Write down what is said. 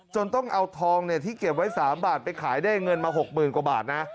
จนต้องเอาทองเนี่ยที่เก็บไว้สามบาทไปขายได้เงินมาหกหมื่นกว่าบาทนะ